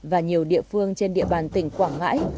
và nhiều địa phương trên địa bàn tỉnh quảng ngãi